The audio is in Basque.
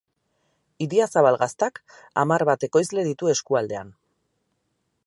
Idiazabal Gaztak hamar bat ekoizle ditu eskualdean.